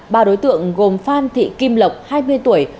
ba đối tượng gồm phan thị kim lộc hai mươi tuổi